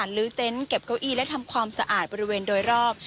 ลื้อเต็นต์เก็บเก้าอี้และทำความสะอาดบริเวณโดยรอบ